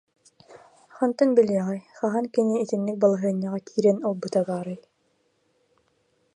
Хантан билиэҕэй, хаһан кини итинник балаһыанньаҕа киирэн ылбыта баарай